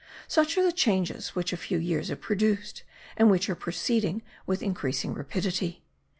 Such are the changes which a few years have produced, and which are proceeding with increasing rapidity.